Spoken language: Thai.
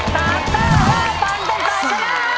สามส้าห้าปันเป็นตอนชนะ